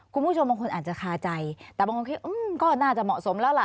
คุณผู้ชมบางคนอาจจะคาใจแต่บางคนคิดก็น่าจะเหมาะสมแล้วล่ะ